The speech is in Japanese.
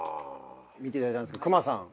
見ていただいたんですけど。